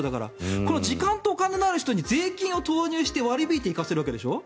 この時間とお金のある人に税金を投入して割り引いて行かせるわけでしょ。